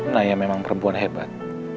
naya memang perempuan hebat